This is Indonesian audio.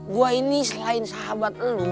gue ini selain sahabat lo